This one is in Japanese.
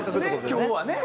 今日はね